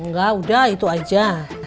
enggak udah itu aja